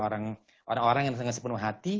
orang orang yang sangat sepenuh hati